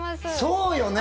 そうよね。